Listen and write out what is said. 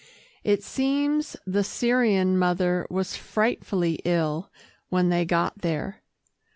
It seems the Syrian mother was frightfully ill when they got there.